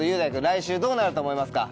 来週どうなると思いますか？